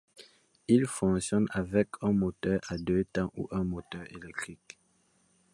Il fonctionne avec un moteur à deux temps ou un moteur électrique.